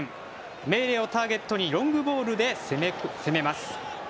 メーレをターゲットにロングボールで攻めます。